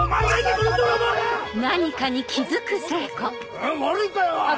えっ悪いかよ！